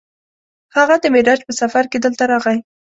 هغه د معراج په سفر کې دلته راغی.